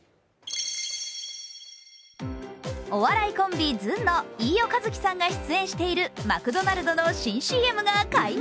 お笑いコンビ・ずんの飯尾和樹さんが出演しているマクドナルドの新ＣＭが解禁。